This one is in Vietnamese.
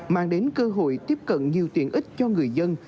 mang đến cơ hội tiếp cận nhiều tiện ích cho người dân